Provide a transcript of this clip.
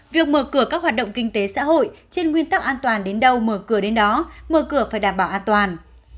việc mở cửa các hoạt động kinh tế xã hội trên nguyên tắc an toàn đến đâu mở cửa đến đó mở cửa phải đảm bảo an toàn